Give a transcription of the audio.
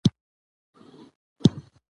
مېلې د کوچنيانو ذهن په مثبتو کارو بوختوي.